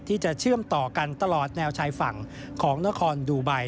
ที่จะเชื่อมต่อกันตลอดแนวชายฝั่งของนครดูไบ